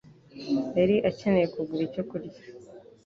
yari akeneye kugura icyo kurya.